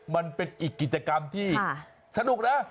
มันเป็นอีกกิจกรรมที่สนุกนะ